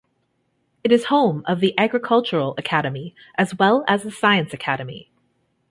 It is home of the Agriculture Academy as well as the Science Academy.